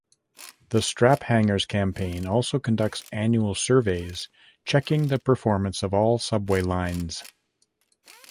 The Straphangers Campaign also conducts annual surveys checking the performance of all subway lines.